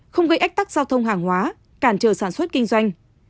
không gây ách tắc giao thông hàng hóa cản trở sản xuất kinh doanh